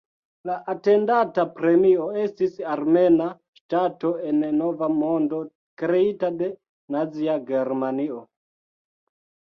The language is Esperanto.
La atendata premio estis armena ŝtato en nova mondo kreita de Nazia Germanio.